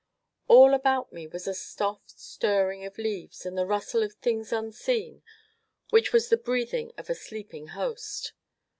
All about me was a soft stirring of leaves, and the rustle of things unseen, which was as the breathing of a sleeping host.